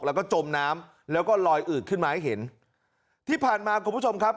แล้วก็จมน้ำแล้วก็ลอยอืดขึ้นมาให้เห็นที่ผ่านมาคุณผู้ชมครับ